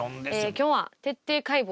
今日は「徹底解剖！